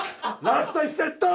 ラスト１セット！